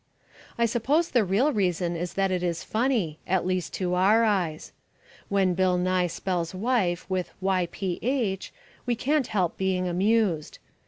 I suppose the real reason is that it is funny, at least to our eyes. When Bill Nye spells wife with "yph" we can't help being amused.